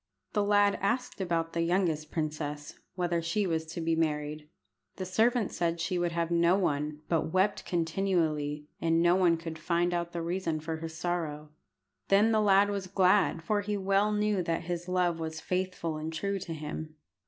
The lad asked about the youngest princess, whether she was to be married. The servant said she would have no one, but wept continually, and no one could find out the reason for her sorrow. Then the lad was glad, for he well knew that his love was faithful and true to him.